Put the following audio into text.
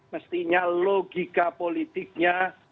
mestinya logika politiknya